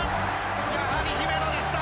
やはり姫野でした。